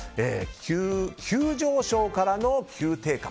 急上昇からの急低下